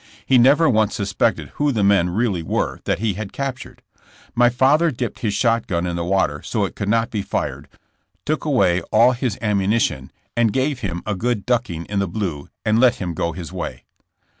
He never once suspected who the men really were that he had captured. My father dipped his shot gun in the water so it could not be fired, took away all his am munition, and gave him a good ducking in the Blue and let him go his way.